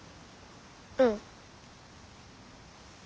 うん。